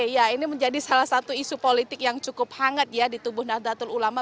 ya ini menjadi salah satu isu politik yang cukup hangat ya di tubuh nahdlatul ulama